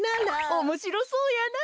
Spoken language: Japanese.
おもしろそうやなあ。